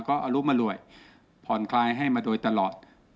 ก็อรุมอร่วยผ่อนคลายให้มาโดยตลอด